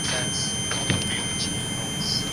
作者为李愚赫。